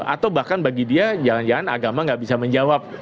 atau bahkan bagi dia jangan jangan agama nggak bisa menjawab